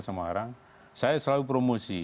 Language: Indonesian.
semarang saya selalu promosi